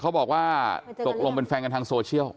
เขาบอกว่าตกลงเป็นแฟนกันทางโซเชียล